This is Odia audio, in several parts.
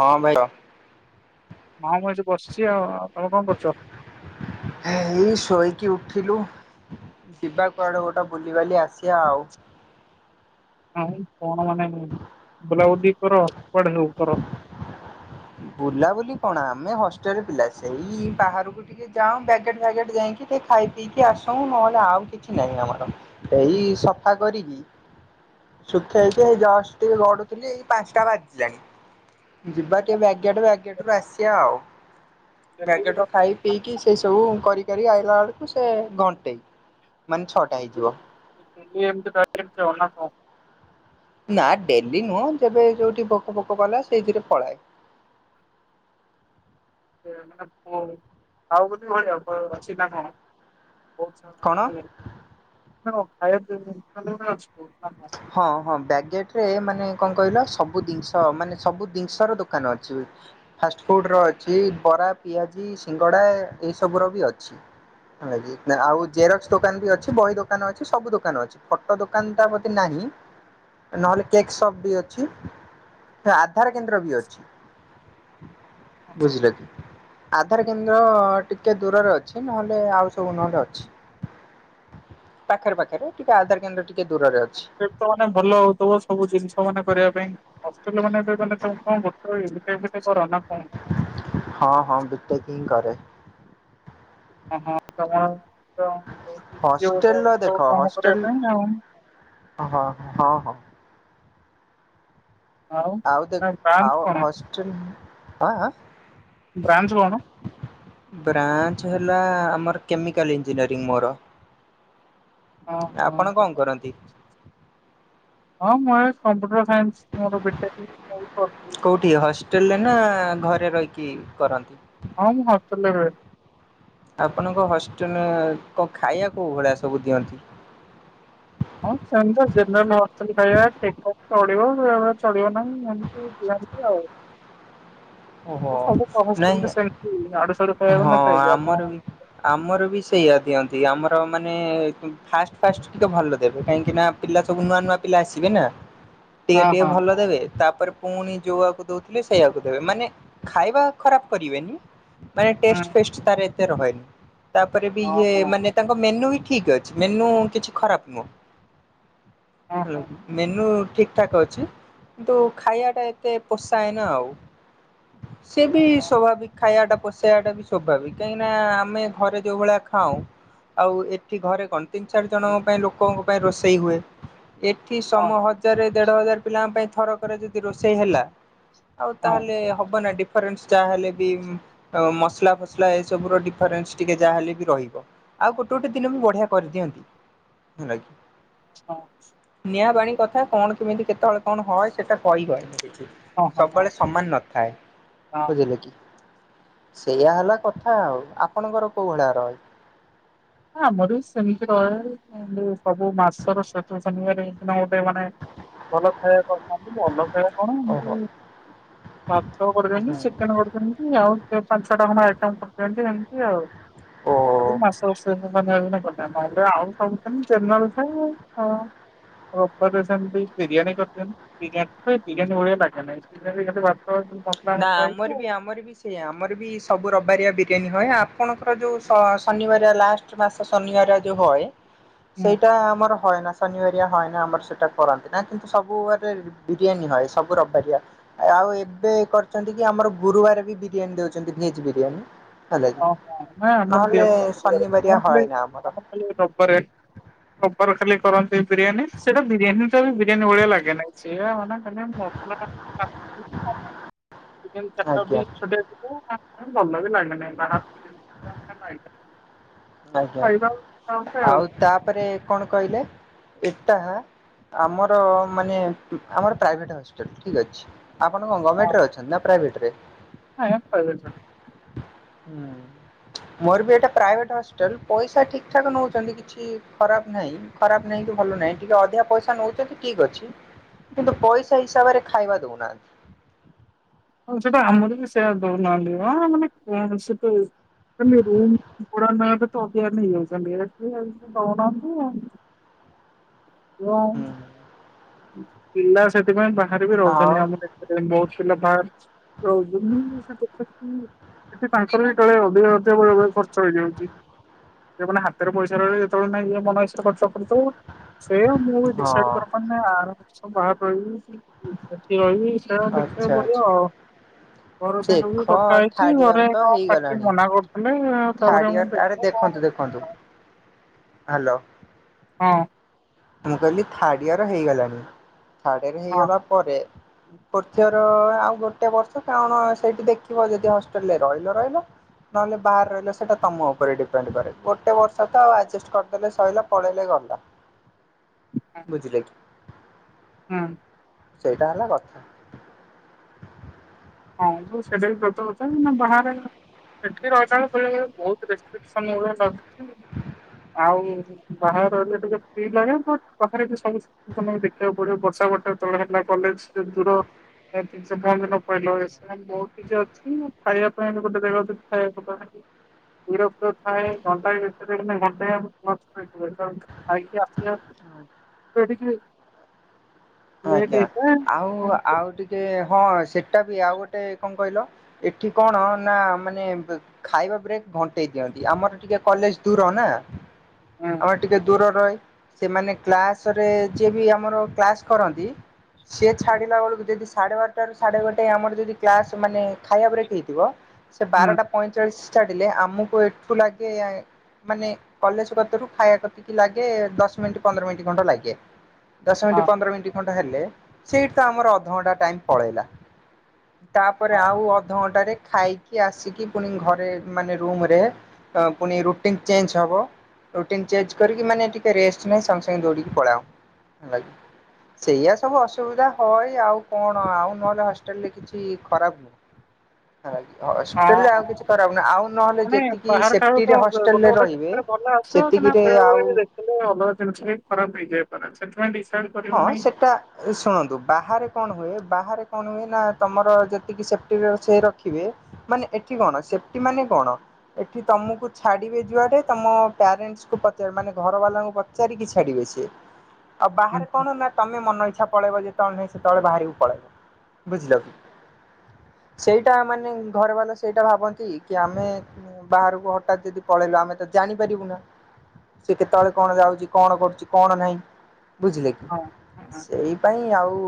ହଁ ଭାଇ ହଁ। ହଁ ମୁଁ ଏଠି ବସିଛି ଆଉ। ତମେ କଣ କରୁଛ? ଏଇ ଶୋଇକି ଉଠିଲୁ। ଯିବା କୁଆଡେ ଗୋଟେ ବୁଲିବାଲି ଆସିବା ଆଉ। ନାଇ କଣ ମାନେ ବୁଲାବୁଲି କର କୁଆଡେ ସବୁ କର? ବୁଲାବୁଲି କଣ ଆମେ ହଷ୍ଟେଲ ପିଲା ସେଇ ବାହାରକୁ ଟି ଟିକେ ଯାଉଁ ବ୍ୟାଗେଟ ଫ୍ୟାଗେଟ ଯାଇକି ଟିକେ ଖାଇ ପିଇକି ଆସୁ ନହେଲେ ଆଉ କିଛି ନାହିଁ ଆମର। ଏଇ ସଫା କରିକି ଶୁଖେଇକି ଏଇ ଜଷ୍ଟ ଟିକେ ଗଡୁଥିଲି ଏଇ ପାଞ୍ଚଟା ବାଜିଲାଣି ଯିବା କେ ବାଗେଟ ବାଗେଟରୁ ଆସିିବା ଆଉ ଡେଲି ବୁଲା ବ୍ୟାଗେଟରୁ ଖାଇ ପିଇକି ସେ ସବୁ କରି କରି ଆଇଲା ବେଳକୁ ସେ ଘଣ୍ଟେ ମାନେ ଛଅଟା ହେଇଯିବ। ବୁଲି ଏମିତି ବାଗେଟ ଯାଅ ନା କଣ? ନା ଡେଲି ନୁହଁ ଯେବେ ଯୋଉଠି ଭୋକ ଫୋକ କଲା ସେଇଥିରେ ପଳାଏ। [unintelligible] ଆଉ [unintelligible] ଭଳିଆ ଅଛି ନା କଣ? [inaudible] ନା କଣ କଣ ଖାଇବା [inaudible] ହଁ ହଁ ବ୍ୟାଗେଟରେ ମାନେ କଣ କହିଲ ସବୁ ଜିନିଷ ମାନେ ସବୁ ଜିନିଷ ର ଦୋକାନ ଅଛି। ଫାଷ୍ଟଫୁଡ଼ରେ ଅଛି ବରା ପିଆଜି ସିଙ୍ଗଡ଼ା ଏସବୁର ବି ଅଛି। ଆ ଆଉ ଜେରକ୍ସ ଦୋକାନ ବି ଅଛି ବହି ଦୋକାନ ଅଛି ସବୁ ଦୋକାନ ଅଛି। ଫଟୋ ଦୋକାନ ଟା ନାହିଁ ନହେଲେ କେକ୍ ସପ ବି ଅଛି। ଆଧାର କେନ୍ଦ୍ର ବି ଅଛି ବୁଝିଲେ କି। ଆଧାର କେନ୍ଦ୍ର ଟିକେ ଦୂରରେ ଅଛି ନହେଲେ ଆଉ ସବୁ ନହେଲେ ଅଛି। ପାଖରେ ପାଖରେ ଟିକେ ଆଧାର କେନ୍ଦ୍ର ଟିକେ ଦୂରରେ ଅଛି। ତ ମାନେ ଭଲ ହଉଥିବ ସବୁ ଜିନିଷ ମାନେ କରିବା ପାଇଁ। ଏବେ ମାନେ ମାନେ କଣ କର ଏଇ ବିଟେକ୍ ଫିଟେକ୍ କର ନା କଣ? ହଁ ହଁ ବିଟେକ୍ ହିଁ କରେ। ଓହଁ ତମ [unintelligible] ହଷ୍ଟେଲ ର ଦେଖ ସବୁ କାମ ହଷ୍ଟେଲ କରିବା ପାଇଁ ଆଉ। ହଁ ହଁ ହଁ। ଆଉ ଦେ ମାନେ ବ୍ରାଞ୍ଚ ଆଉ କଣ? ହଷ୍ଟେଲ ଆଁ ଆଁ। ବ୍ରାଞ୍ଚ କଣ? ବ୍ରାଞ୍ଚ ହେଲା ଆମର କେମିକାଲ ଇଞ୍ଜିନିୟରିଂ ମୋର। ହଁ ଆପଣ ହଁ କଣ କରନ୍ତି? ହଁ ମୁଁ ଏ କମ୍ପ୍ୟୁଟର ସାଇନ୍ସ ମୋର ବି ଟେକ୍ ବହୁତ [inaudible] କେଉଁଠି ହଷ୍ଟେଲରେ ନା ଘରେ ରହିକି କରନ୍ତି? ହଁ ମୁଁ ହଷ୍ଟେଲରେ ରୁହେ। ଆପଣଙ୍କ ହଷ୍ଟେଲରେ କଣ ଖାଇବା କେଉଁ ଭଳିଆ ସବୁ ଦିଅନ୍ତି? ହଁ ସେମିତି ଜେନେରାଲ ହଷ୍ଟେଲ ଖାଇବା ଠିକଠାକ୍ ଚଳିବ ବେଳେବେଳେ ଚଳିବ ନାହିଁ ଏମତି। ଏନ୍ତି ଆଉ। ଓହୋ ଏ ସବୁ ହଷ୍ଟେଲରେ ସେମିତି ଆଡୁ ସାଡୁ ନାଇଁ ଖାଇବାକୁ ହଁ ନଥାଏ କି ଆପଣ ଆମର ବି ଆମର ବି ସେଇଆ ଦିଅନ୍ତି ଆମର ମାନେ ଫାଷ୍ଟ ଫାଷ୍ଟ ଟିକେ ଭଲ ଦେବେ କାହିଁକି ନା ପିଲା ସବୁ ନୂଆ ନୂଆ ପିଲା ଆସିବେ ନା। ଟିକେ ହଁ ଟିକେ ହଁ ଭଲ ଦେବେ ତାପରେ ପୁଣି ଯୋଉଆକୁ ଦଉଥିଲେ ସେଇଆକୁ ଦେବେ ମାନେ ଖାଇବା ଖରାପ୍ କରିବେନି ମାନେ ଟେଷ୍ଟ୍ ଫେଷ୍ଟ୍ ତାର ଏତେ ରହେନି। ତାପରେ ବି ଇଏ ହଁ ମାନେ ତାଙ୍କ ମେନୁ ବି ଠିକ୍ ଅଛି ମେନୁ କିଛି ଖରାପ୍ ନୁହଁ। ହଁ ହାଲୋ ହଁ ମେନୁ ଠିକ ଠିକ୍ ଠାକ୍ ଅଛି କିନ୍ତୁ ଖାଇବା ଟା ଏତେ ପୋଷାଏନା ଆଉ। ସେ ବି ସ୍ୱାଭାବିକ୍ ଖାଇବାଟା। ପୋଷେଇବାଟା ବି ସ୍ୱାଭାବିକ, କାହିଁକିନା ଆମେ ଘରେ ଯୋଉ ଭଳିଆ ଖାଉଁ ଆଉ ଏଠି ଘରେ କଣ୍ ତିନି ଚାରି ଜଣଙ୍କ ପାଇଁ ଲୋକଙ୍କ ପାଇଁ ରୋଷେଇ ହୁଏ ଏଠି ହଁ ସମହ ହଜାରେ ଦେଢ଼ ହଜାର ପିଲାଙ୍କ ପାଇଁ ଥରକରେ ଯଦି ରୋଷେଇ ହେଲା ଆଉ ହଁ ହଁ ହଁ ତାହେଲେ [inaudible] ହବ ନା ଡିଫରେନ୍ସ୍ ଯାହା ହେଲେ ବି ଅଁ-ଅଁ ମସଲା ଫସଲା ଏ ସବୁର ଡିଫରେନ୍ସ୍ ଟିକେ ଯାହାହେଲେ ବି ରହିବ। ଆଉ ଗୋଟେ ଗୋଟେ ଦିନ ବି ବଢ଼ିଆ କରିଦିଅନ୍ତି ହେଲା କି। ହଁ। ନିଆଁ‌ ପାଣି କଥା କଣ କେମିତି କେତେବେଳେ କଣ ହଏ ସେଟା କହିି ହଏନି କିଛି ହଁ ହଁ ହଁ ସବୁବେଳେ ସମାନ ନଥାଏ, ହଁ। ବୁଝିଲେ କି? ସେଇଆା ହେଲା କଥା ଆଉ, ଆପଣଙ୍କର କୋଉ ଭଳିଆ ଆହାର [inaudible] ଆମର ବି ସେମିତି ରହେ, ଉଁ-ଉଁ ଯୋଉ ସବୁ ମାସର ଶେଷ ଶନିବାରରେ ଏ ଦିନ ଗୋଟେ ମାନେ ଭଲ ଖାଇବା କରିଥାନ୍ତି ଭଲ ଖାଇବା କଣ ଓହୋ ଏମିତି ଭାତ କରିଦିଅନ୍ତି, ହୁଁ ଚିକେନ୍ କରିଦିଅନ୍ତି ଆଉ ଟିକେ ପାଞ୍ଚ ଛଅଟା ଖଣ୍ଡେ ଆଇଟମ୍ କରିଦିଅନ୍ତି ଏମିତି ଆଉ। ଓ ଖାଲି ମାସ୍ ଶେଷ ଶନିବାର ଦିନ କରିଥାନ୍ତି, ନହେଲେ ଆଉ ସବୁଦିନ ଜେନେରାଲ ଥାଏ ଆଉ। ରବିବାରେ ସେମିତି ବିରିୟାନୀ କରଦିଅନ୍ତି। ବିରିୟାନୀ ହୁଏ ହୁଁ। ବିରିୟାନୀ ଭଳିଆ ଲାଗେନି [inaudible] ‌ ଖାଲି ଭାତ [inaudible] ନା ହେଇକି ଆମର ବି ଆମର ବି ସେ ସେଇ ଆମର ବି ସବୁ ରବବାରିଆ ବିରିୟାନୀ ହଏ, ଆପଣଙ୍କର ଯୋଉ ଶ-ଅ-ଶନିବାରିଆ ଲାଷ୍ଟ୍ [inaudible] ମାସ ଶନିବାର ଯୋଉ ହଏ, ହୁଁ ସେଇଟା ଆମର ହଏନା। ଶନିବାରିଆ ହଏନା ଆମର ସେଇଟା କରନ୍ତିନି, କିନ୍ତୁ ସବୁ ବାରରେ ବିରିୟାନୀ ହଏ ସବୁ ରବିବାରିଆ। ଆଉ ଏବେ କରିଚନ୍ତି କି ଆମର ଗୁରୁବାର ବି ବିରିୟାନୀ ଦେଉଛନ୍ତି ଭେଜ୍ ବିରିୟାନୀ। ହେଲା କି, ଓହୋ ନାଇଁ ଆମର ନହେଲେ ଦିଅନ୍ତି ନାହିଁ ଗୁରୁବାରେ ଶନିବାରିଆ ଆମର ଖାଲି ହଏନା ଆମର। ଖାଲି ରବିବାରେ ରବିବାର ଖାଲି କରନ୍ତି ବିରିୟାନୀ, ସେଇଟା ବିରିୟାନୀଟା କାହିଁ ବିରିୟାନୀ ଭଳିଆ ଲାଗେ ନାହିଁ ସେ ମାନେ ଖାଲି ମସଲା [inaudible] ଚିକେନ୍ ଚାରିଟା ବି ଆଜ୍ଞା। ଛୋଟିଆ ଛୋଟିଆ [inaudible] ଭଲ ବି ଲାଗେନି [inaudible] ଆଜ୍ଞା, ଖାଇବା କଥା ଆଉ ତାପରେ କଣ କହିଲେ ଏଟା-ଆ ଆମର ମାନେ ଆମର ପ୍ରାଇଭେଟ୍ ହଷ୍ଟେଲ୍, ଠିକ୍ ଅଛି। ଆପଣ କଣ ଗମେଣ୍ଟରେ ଅଛନ୍ତି ନା ପ୍ରାଇଭେଟରେ? ଆଜ୍ଞା ପାଇଭେଟ୍ ରେ। ହୁଁ-ଉ-ଉ, ମୋର ବି ଏଇଟା ପ୍ରାଇଭେଟ୍ ହଷ୍ଟେଲ ପଇସା ଠିକଠାକ୍ ନଉଛନ୍ତି କିଛି କିଛି ଖରାପ ନାହିଁ, ଖରାପ ନାହିଁ କି ଭଲ ନାହିଁ ଟିକେ ଅଧିକା ପଇସା ନଉଛନ୍ତି ଠିକ୍ ଅଛି। କିନ୍ତୁ ପଇସା ହିସାବରେ ଖାଇବା ଦଉ ନାହାନ୍ତି। ହଁ ସେଟା ଆମର ବି ସେଇଆ ଦଉ ନାହାନ୍ତି ମ ମାନେ କଣ ସେତେ ହେଲେ ରୁମ୍ ଭଡା [inaudible] କେତେ ଅଧିକା ନେଇଯାଉଛନ୍ତି [inaudible] ଦଉ ନାହାନ୍ତି ଆଉ। ହୁଁ। ପିଲା ସେଥିପାଇଁ ବାହାରେ ବି ଆଉ ରହୁଛନ୍ତି ଆମରେ। ସେଥିପାଇଁ ବହୁତ୍ ପିଲା ବାହାରେ ରହୁଛନ୍ତି ସେଥି [inaudible] ସେଠି ତାଙ୍କର ବି କାଳେ ଅଧିକା ଅଧିକା ବେଳେବେଳେ ଖର୍ଚ୍ଚ ହେଇଯାଉଛି। ସେ ମାନେ ହାତରେ ପଇସା ରହିଲେ ଯେତେବେଳେ ନାଇଁ ଇଏ ମନଇଛା ଖର୍ଚ୍ଚ କରି ଚାଲିବ ସେଇଆ ମୁଁ ଡିସାଇଡ୍ ହଁ କରିପାରୁନି। ନା ଆର ବର୍ଷ ବାହାରେ ରହିବି କି ସେଠି ରହିବି ସେଇଟା ଆଚ୍ଛା ଦେଖିବାକୁ ଆଚ୍ଛା ପଡ଼ିବ ଆଉ। ଘର ସାଙ୍ଗେ ଦେଖ ବି କଥା ହେଇଛି ଥାର୍ଡ ଇୟର ଘରେ ତ କଣ ପାଟି ହେଇଗଲାଣି ମନା କରୁଥିଲେ ତାପରେ ମୁଁ ଦେଖେ କଣ ହଉ କହନ୍ତୁ ହାଲୋ। ହଁ। ମୁଁ କହିଲି ଥାର୍ଡ ଇୟର ହେଇଗଲାଣି ଥାର୍ଡ ଏର୍ ହଁ ହେଇଗଲା ପରେ ଫୋର୍ଥ ଇଅର ଆଉ ଗୋଟେ ବର୍ଷ କାଣ ସେଇଟି ଦେଖିବ ଯଦି ହଷ୍ଟେଲରେ ରହିଲ ରହିଲ ନଏଲେ ବାହାର୍ ରହିଲେ ସେଟା ତମ ଉପରେ ଡିପେଣ୍ଡ କରେ ଗୋଟେ ବର୍ଷ ତ ଆଉ ଆଡ୍‌ଜଷ୍ଟ କର୍ ଦେଲେ ସଇଲା ପଳେଇଲେ ଗଲା। ବୁଝିଲି ଆକ୍‌ଚୁ ହଁ। ସେଇଟା ହେଲା ଗଥା। ହଁ [unintelligible] ନା ବାହାରେ ସେଠି ରହିଲାରୁ ବେଳେ ବେଳେ ବହୁତ ରେଷ୍ଟ୍ରିକ୍‌ସନ୍‌ ମୋର ଲାଗୁଛି ଆଉ। ଆଉ ବାହାରେ ରହିଲେ ଟିକେ ଫ୍ରି ଲାଗେ ବଟ୍ କଥାରେ ବି ସଲିସ୍‌ ତମେ ଦେଖିଆକୁ ପଡିବ ବର୍ଷା ବର୍ଷା ତଳେ ହେଥିଲା କଲେଜ କେଦେ ଦୂର ଟେନ୍ଥ ଏକ୍ଜାମ୍ ପର୍ଦିନ। [unintelligible] [unintelligible] ଆଇ କେ ଆସିନାହାନ୍ତି କୋଉଠିକି ହଁ ଆଜ୍ଞା ଆଉ ଆଉ ଟିକେ ହଁ ସେଟା ବି ଆଉ ଗୋଟେ କଁ କହିଲ? ଏଠି କଣ ନା ମାନେ ବ ଖାଇବା ବ୍ରେକ୍ ଘଣ୍ଟେଇ ଦିଅନ୍ତି ଆମର ଟିକେ କଲେଜ ଦୂର ନା। ହଁ ଆମର ଟିକେ ଦୂର ରହେ ସେମାନେ କ୍ଲାସରେ ଯିଏ ବି ଆମର କ୍ଲାସ୍‌ କରନ୍ତି ସେ ହଁ ଛାଡିଲା ବେଳକୁ ଯଦି ସାଡେ ବାର୍ ତାରୁ ସାଡେ ଗୋଟେ ଆମର ଯଦି କ୍ଲାସ ମାନେ ଖାଇଆ ବ୍ରେକ୍ ହେଇଥିବ ସେ ହଁ ବାରଟା ପଇଁଚାଳିଶ୍ ଚାଡ଼ିଲେ ଆମକୁ ଏଠୁ ଲାଗେ ମାନେ କଲେଜ କତେରୁ ଖାଇବା କତିକି ଲାଗେ ଦଶ୍ ମିଣ୍ଟି ପନ୍ଦର ମିଣ୍ଟି ଖଣ୍ଡେ ଲାଗେ ଦଶ ମିନିଟ୍ ହଁ ପନ୍ଦର ମିଣ୍ଟି ଖଣ୍ଡେ ହେଲେ ସେଇଟ୍ ତ ଆମର ଅଧଘଣ୍ଟା ଟାଇମ୍‌ପଳେଇଲା। ତାପରେ ହଁ ଆଉ ଅଧହଣ୍ଟାରେ ଖାଇ କି ଆସିକି ପୁଣି ଘରେ ମାନେ ରୁମରେ ଅ ପୁଣି ରୁଟିନ୍‌ ଚେଞ୍ଚ ହବ। ରୁଟିନ୍ ଚେଜ୍‌ କରିକି ମାନେ ଟିକେ ରେଷ୍ଟ ନେଇ ସଙ୍ଗ୍ ସଙ୍ଗେ ଦୌଡିକି ପଳାଅ ହେଲା। ସେଇଆ ସବୁ ଅସୁବିଧା ହଏ ଆଉ କଣ ଆଉ ନହେଲେ ହଷ୍ଟେଲ୍‌ରେ କିଛି ଖରାପ୍ ନୁହଁ। ହାଲାକି ହଷ୍ଟେଲ ରେ ଆଉ ହଁ କିଛି ଖରାପ ନୁହ ଆଉ ନହେଲେ ମାନେ ଯେତିକି ସେଫ୍ଟି ରେ ହଷ୍ଟେଲରେ ରଇବେ ଗଲେ ଆସିବ କି ନା [unintelligible] ବି ଦେଖିଲେ ଅଲଗା ଜିନିଷ ବି ଖରାପ ହେଇଯାଇପାରେ ସେଥିପାଇଁ ଡିସାଇଡ କରି ହଁ ସେଟା ଏ ଶୁଣନ୍ତୁ ବାହାରେ କଣ ହୁଏ ବାହାରେ କଣ ହୁଏ ନା ତମର ଯେତିକି ସେଫ୍ଟିରେ ସେ ରଖିବେ ମାନେ ଏଠି କଣ ସେଫ୍ଟି ମାନେ କଣ? ଏଠି ତମକୁ ଛାଡିବେ ଯୁଆଡେ ତମ ପ୍ୟାରେଣ୍ଟସ୍ କୁ ପଚାର ମାନେ ଘର ବାଲାଙ୍କୁ ପଚାରିକି ଛାଡିବେ ସିଏ। ଆଉ ବାହାରେ କଣ ନା ତମେ ମନ ଇଚ୍ଛା ପଳେଇବ ଯେତବେଳେ ନାହିଁ ସେତ ବେଳେ ବାହାରିକି ପଳେଇବ ବୁଝିଲ କି? ସେଇଟା ମାନେ ଘର ବାଲା ସେଇଟା ଭାବନ୍ତି କି ଆମେ ବାହାରୁକୁ ହଠାତ୍ ଯଦି ପଳେଇଲ ଆମେ ତ ଜାଣିପାରିବୁ ନା। ସେ କେତବେଳେ କଣ ଯାଉଚି କଣ କରୁଛି କଣ ନାହିଁ ବୁଝି ହଁ ସେଇ ପାଇଁ ଆଉ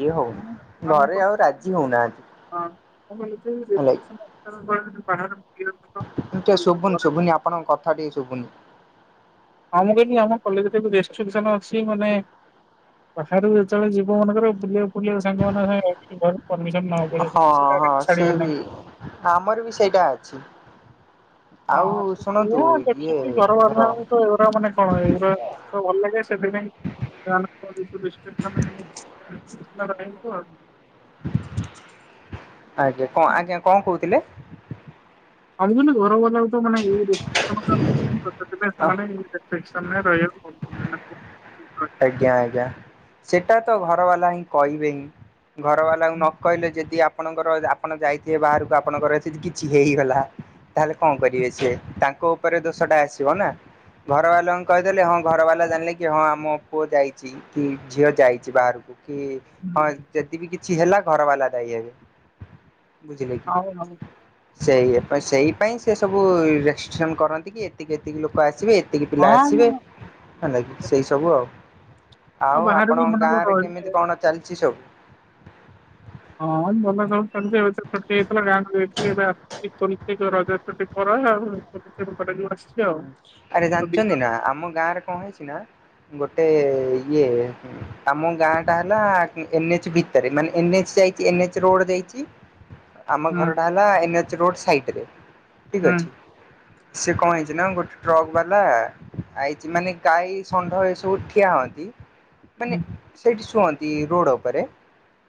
ଇଏ ହଉନି। ଆମେ ଘରେ ଆଉ ଗୋଟେ ରାଜି ହଉନାହାନ୍ତି। ହେଲା [unintelligible] [unintelligible] ଏମ୍ ତିଆ ଶୁବୁନି ଶୁଭୁନି ଆପଣଙ୍କ କଥା ଟିକେ ଶୁବୁନି। ହା ମୁଁ କହିଲି ଆମ କଲେଜରେ ବି ରେଷ୍ଟ୍ରିକ୍ସନ ଅଛି ମାନେ ବାହାରୁକୁ ଯେତବେଳେ ଯିବ ମନେକର ବୁଲିବାକୁ ଫୁଲିବାକୁ ସାଙ୍ଗ ମାନଙ୍କ ସାଙ୍ଗେରେ ଟିକେ ଗଡ୍ ପରମିସନ ନବାକୁ ପଡିବ ହଁ ସେ ହଁ ଡାଇରେକ୍ଟ ସେ ଛାଡ଼ିବେ ବି ନାହିଁ। ଆମର ବି ସେଇଟା ଅଛି। ଆଉ ହଁ ଶୁଣନ୍ତୁ ମୁଁ ଇଏ ଦେଖିଛି ଘର ଆମର ବାଲାଙ୍କ ଏଗୁରା ମାନେ କଣ ଏଇରା ସବୁ ଭଲ ଲାଗେ ସେଥିପାଇଁ ସେମାନଙ୍କ ରେଷ୍ଟ୍ରିକ୍ସନ୍ [unintelligible] ଆଜ୍ଞା କଣ ଆଜ୍ଞା କଣ କହୁଥିଲେ? ଅନୁଗୁଳ ରେ ଗରମ [unintelligible] ସେମାନେ ଏଇ ରେଷ୍ଟ୍ରିକ୍ସନ୍ ରେ ରହିବାକୁ ପଡିବ। ହୁଁ ଆଜ୍ଞା ଆଜ୍ଞା ସେଟା ତ ଘର ବାଲା ହିଁ କହିବେ ହିଁ। ଘର ବାଲାଙ୍କୁ ନ କହିଲେ ଯଦି ଆପଣଙ୍କର ଆପଣ ଯାଇଥିବେ ବାହାରକୁ ଆପଣଙ୍କର କିଛି ହେଇଗଲା ତାହେଲେ କଣ କରିବେ ସିଏ ତାଙ୍କ ଉପରେ ଦୋଷ ଟା ଆସିବ ନା। ଘର ବାଲାଙ୍କୁ କହିଦେଲେ ହଁ ଘର ବାଲା ଜାଣିଲେ କି ହଁ ଆମ ପୁଅ ଯାଇଛି, କି ଝିଅ ଯାଇଛି ବାହାରକୁ କି ହଁ ଯଦି ବିି କିଛି ହେଲା ଘର ବାଲା ଦାୟୀ ହେବେ ବୁଝିଲେ କି। ହଉ ହଉ ସେଇଆ ସେଇ ପାଇଁ ସେ ସବୁ ରେଷ୍ଟ୍ରିକ୍ସନ କରନ୍ତି କି ଏତିକି ଏତିକି ଲୋକ ଆସିବେ। ଏତିକି ପିଲା ହଁ ମୁଁ ଆସିବେ ହେଲା କି ସେଇ ସବୁ ଆଉ। ଆଉ ବାହାରେ ବି ଆପଣଙ୍କ ମନେକର ଗାଁ ରେ କେମିତି ରହିଲେ କଣ ଚାଲିଛି ସବୁ? ହଁ ଭଲ ସବୁ ଚାଲିଚି। ଏବେ ତ ଛୁଟି ହେଇଥିଲା ଗାଁକୁ ଯାଇଥିଲି ଏବେ ଆସିଚି। ରଜ ଛୁଟି ପରେ ଆଉ [unintelligible] ଆରେ ଦି ଜାଣିଛନ୍ତି ମାସ ନା ଆମ ଗାଁ ରେ କଣ ହେଇଛି ନା ଗୋଟେ ଇଏ ଆମ ଗାଁ ଟା ହେଲା ଏନଏଚ୍ ଭିତରେ ମାନେ ଏନ୍ ଏଚ ଯାଇଛି ଏନ ଏଚ ରୋଡ୍ ଯାଇଛି। ହ ଆମ ହୁଁ ଘରଟା ହେଲା ଏନ୍ଏଚ୍ ରୋଡ ସାଇଟ ରେ ଠିକ୍ ହୁଁ ଅଛି। ସେ କଣ ହେଇଛି ଗୋଟେ ଟ୍ରକ୍ ବାଲା ଆଇଛି ମାନେ ଗାଈ ଷଣ୍ଢ ଏ ସବୁ ଠିଆ ହୁଅନ୍ତି। ମାନେ ହୁଁ ସେଇଠି ଶୁଅନ୍ତି ରୋଡ଼ ଉପରେ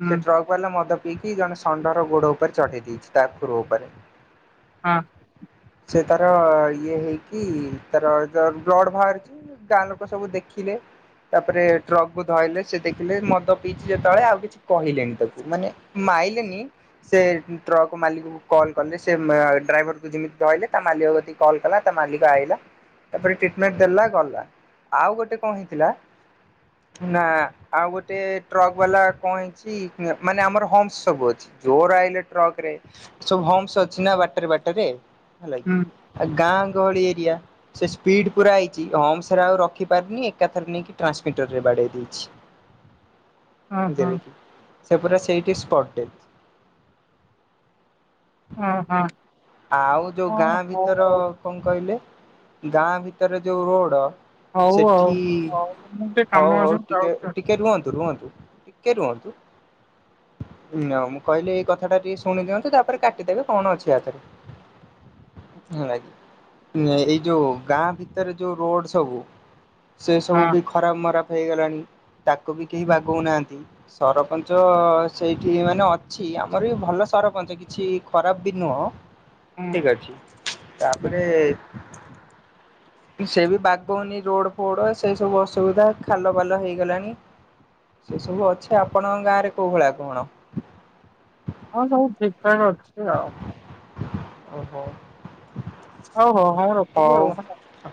ହୁଁ ସେ ଟ୍ରକ୍ କଣନା ମଦ ପିଇକି ଜଣେ ଷଣ୍ଢର ଗୋଡ ଉପରେ ଚଢେଇ ଦେଇଛି ତାଖୁର ଉପରେ। ହଁ। ସେ ତାର ଇଏ ହେଇକି ତାର ଯୋଉ ବ୍ଲଡ ବାହାରୁଛି ଗାଁ ଲୋକ ସବୁ ଦେଖିଲେ। ତାପରେ ଟ୍ରକକୁୁ ଧଇଲେ ସେ ଦେଖିଲେ ମଦ ପିଇଚି ଯେତେବେଳେ ଆଉ କିଛି କହିଲେନି ତାକୁ। ମାନେ ମାଇଲେନି। ସେ ଟ୍ରକ୍ ମାଲିକକୁ କଲ୍ କଲେ। ସେ ଡ୍ରାଇଭରକୁ ଯେମିତି ଧଇଲେ ତା ମାଲିକ କତିକି କଲ୍ କଲା ତା ମାଲିକ ଆଇଲା। ତାପରେ ଟ୍ରିଟମେଣ୍ଟ ଦେଲା ଗଲା। ଆଉ ଗୋଟେ କଣ ହେଇଥିଲା ନା ଆଉ ଗୋଟେ ଟ୍ରକ୍ ବାଲା କଣ ହେଇଛି ମାନେ ଆମର ହମ୍ପସ୍ ସବୁ ଅଛି। ଜୋରରେ ଆଇଲେ ଟ୍ରକ ରେ ସବୁ ହମ୍ସ ଅଛି ନା ବାଟରେ ବାଟରେ ହେଲା କି। ଗାଁ ଗହଳି ଏରିଆ। ସେ ସ୍ପିଡ ପୁରା ଆଇଛି ହମ୍ସ ରେ ଆଉ ରଖିପାରିନି ଏକାଥରେ ନେଇକି ଟ୍ରାନ୍ସମିଟରରେ ବାଡ଼େଇ ଦେଇଛି। ହଁ ବୁଝିଲେ ହୁଁ କିି। ସେ ପୁରା ସେଇଠି ସ୍ପଟ ଡ଼େଥ୍। ଅ ହଁ। ଆଉ ଯୋଉ ହଁ ଗାଁ ହଁ ହଁ ଭିତର ହଉ କଣ କହିଲେ ଗାଁ ଭିତରେ ଯୋଉ ରୋଡ ଆଉ ହଉ ଆଉ ସେଠି ହଉ ମୁଁ ଟିକେ କାମ ହଉ ଅଛି ହଉ ମୁଁ ଟିକେ ଯାଉଛି ଟିକେ ରୁହନ୍ତୁ ରୁହନ୍ତୁ। ଟିକେ ରୁହନ୍ତୁ। ମୁଁ କହିଲି ଏଇ କଥାଟା ଟିକେ ଶୁଣି ଦିଅନ୍ତୁ। ତାପରେ କାଟିଦେବେ, କଣ ଅଛି ଇଆଥେରେ। ହୁଁ, ଏଇ ଯୋଉ ଗାଁ ଭିତରେ ଯୋଉ ରୋଡ ସବୁ ସେ ସବୁ ହଁ ବି ଖରାପ ମରାପ ହେଇଗଲାଣି, ତାକୁ ବି କେହି ବାଗଉନାହାନ୍ତି। ସରପଞ୍ଚ ସେଇଠି ମାନେ ଅଛି। ଆମର ବି ଭଲ ସରପଞ୍ଚ କିଛି ଖରାପ ବି ନୁହଁ ହୁଁ ଠିକ ଅଛି। ହୁଁ ତାପରେ ସେ ବି ବାଗଉନି ରୋଡ଼ ଫୋଡ଼। ସେ ସବୁ ଅସୁବିଧା ଖାଲ ବାଲ ହେଇଗଲାଣି। ସେ ସବୁ ଅଛି। ଆପଣଙ୍କ ଗାଁରେ କୋଉ ଭଳିଆ କଣ? ହଁ, ସବୁ ଠିକ୍ ଠାକ୍ ଅଛି ଆଉ। ଓହୋ। ହଉ, ହଉ, ହଉ, ହଉ ମୁଁ ର ହଉ,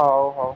ହଉ, ହଉ।